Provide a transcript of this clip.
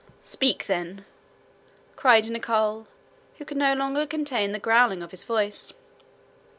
"Speak, then," cried Nicholl, who could no longer contain the growling of his voice.